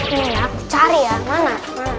ini aku cari ya mana